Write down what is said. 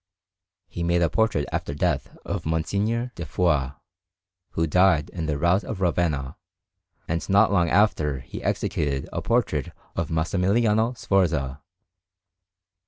He made a portrait after death of Monsignore de Foix, who died in the rout of Ravenna, and not long after he executed a portrait of Massimiliano Sforza.